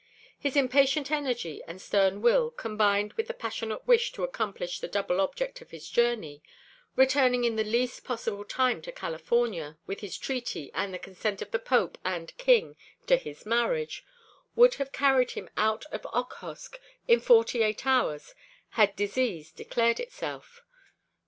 His impatient energy and stern will, combined with the passionate wish to accomplish the double object of his journey, returning in the least possible time to California with his treaty and the consent of the Pope and King to his marriage, would have carried him out of Okhotsk in forty eight hours had disease declared itself.